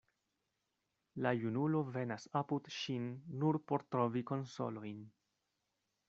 La junulo venas apud ŝin nur por trovi konsolojn.